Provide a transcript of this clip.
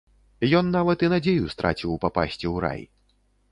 Ён нават і надзею страціў папасці ў рай.